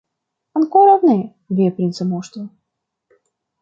Ankoraŭ ne, via princa moŝto.